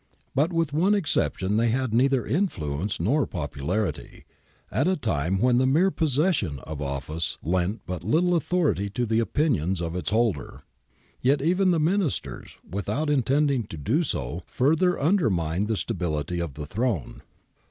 But with one exception they had neither influence nor popularity, at a time when the mere possession of office lent but little authority to the opinions of its holder. Yet even the Ministers, without intending to do so, further undermined the stability of the throne.